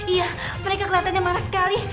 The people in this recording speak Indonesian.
iya mereka kelihatannya marah sekali